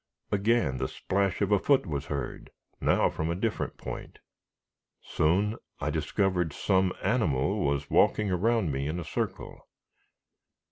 Again the splash of a foot was heard, now from a different point. Soon I discovered some animal was walking around me in a circle.